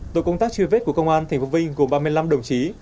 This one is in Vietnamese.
tổ công tác truy vết của công an thành phố vinh gồm ba mươi năm đồng chí